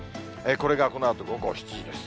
これがこのあと午後７時です。